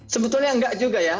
sebetulnya enggak juga ya